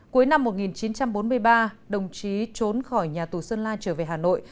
cuối năm một nghìn chín trăm bốn mươi ba đồng chí trốn khỏi nhà tù sơn la trở về hà nội